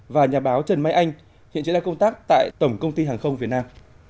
và nhà báo trần mai anh hiện diễn ra công tác tại tổng công ty hàng không việt nam